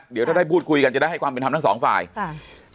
เดี๋ยวถ้าได้พูดคุยกันจะได้ให้ความเป็นธรรมทั้งสองฝ่ายค่ะ